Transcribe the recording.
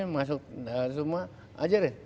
masuk dan semua